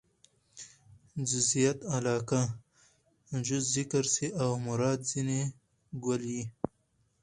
جزئيت علاقه؛ جز ذکر سي او مراد ځني کُل يي.